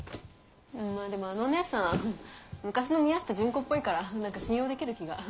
まあでもあのおねえさん昔の宮下順子っぽいから何か信用できる気が。